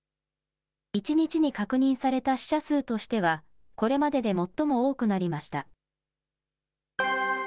１日に確認された死者数としては、これまでで最も多くなりました。